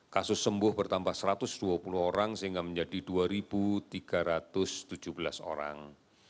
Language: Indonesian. kasus sembuh bertambah satu ratus dua puluh orang sehingga menjadi dua tiga ratus tujuh belas orang